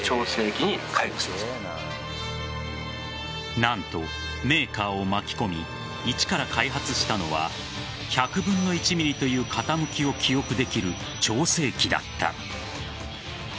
何とメーカーを巻き込みいちから開発したのは１００分の１ｍｍという傾きを記憶できる調整器だった。